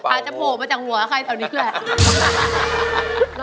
อาจจะโผล่มาจากหัวใครเอานี่แหละ